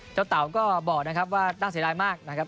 เต๋าก็บอกนะครับว่าน่าเสียดายมากนะครับ